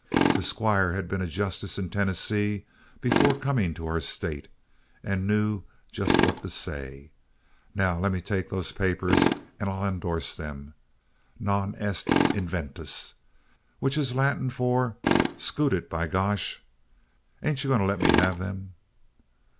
The squire had been a justice in Tennessee before coming to our state, and knew just what to say. Now let me take those papers, and I'll indorse them 'Non est inventus,' which is Latin for SCOOTED, BY GOSH! Ain't you going to let me have them?"